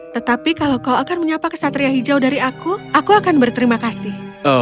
tetapi kalau kau akan menyapa kesatria hijau dari aku aku akan berterima kasih